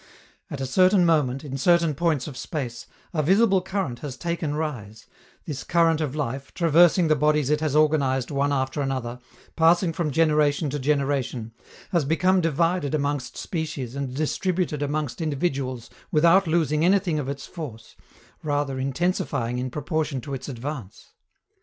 At a certain moment, in certain points of space, a visible current has taken rise; this current of life, traversing the bodies it has organized one after another, passing from generation to generation, has become divided amongst species and distributed amongst individuals without losing anything of its force, rather intensifying in proportion to its advance.